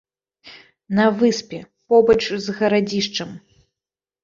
На выспе, побач з гарадзішчам.